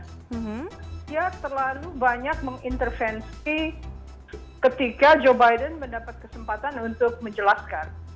dia terlalu banyak mengintervensi ketika joe biden mendapat kesempatan untuk menjelaskan